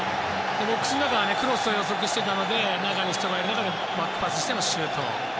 ボックスの中クロスを予測していたので中に人がいる中でバックパスしてのシュート。